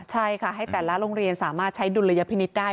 ใช่ค่ะให้แต่ละโรงเรียนสามารถใช้ดุลยพินิษฐ์ได้